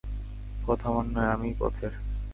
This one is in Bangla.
পথ আমার নয়, আমিই পথের।